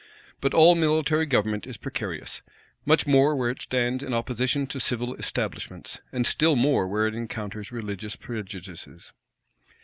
But all military government is precarious; much more where it stands in opposition to civil establishments; and still more where it encounters religious prejudices.